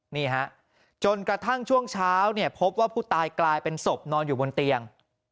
นี่ฮะจนกระทั่งช่วงเช้าเนี่ยพบว่าผู้ตายกลายเป็นศพนอนอยู่บนเตียง